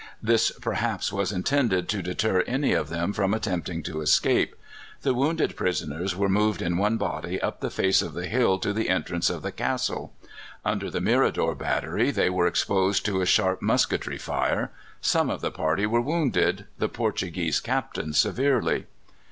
This, perhaps, was intended to deter any of them from attempting to escape. The wounded prisoners were moved in one body up the face of the hill to the entrance of the castle. Under the Mirador battery they were exposed to a sharp musketry fire. Some of the party were wounded, the Portuguese Captain severely.